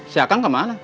siap kang kamu malam